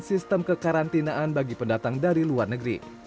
sistem kekarantinaan bagi pendatang dari luar negeri